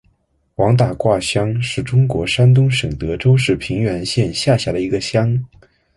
王打卦乡是中国山东省德州市平原县下辖的一个乡。